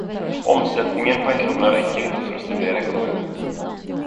Omsättningen på en krona räcker inte för att stimulera ekonomin.